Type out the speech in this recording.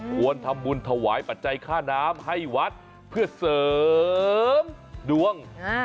ควรทำบุญถวายปัจจัยค่าน้ำให้วัดเพื่อเสริมดวง